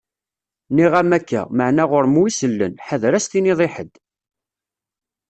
Nniɣ-am akka, maɛna ɣur-m wi isellen. Ḥader ad as-tiniḍ i ḥedd!